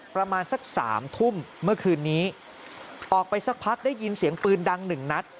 ประมาณสักสามทุ่มเมื่อคืนนี้ออกไปสักพักได้ยินเสียงปืนดังหนึ่งนัด